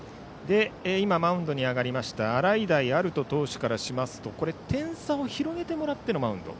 今、マウンドに上がった洗平歩人投手からすると点差を広げてもらってのマウンド。